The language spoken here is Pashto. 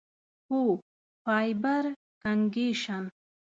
هو، فایبر کنکشن